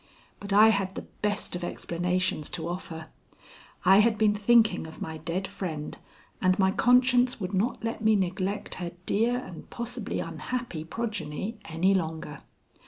But I had the best of explanations to offer. I had been thinking of my dead friend, and my conscience would not let me neglect her dear and possibly unhappy progeny any longer.